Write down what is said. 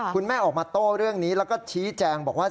คุณแม่ออกมาโต้เรื่องนี้แล้วก็ชี้แจงบอกว่า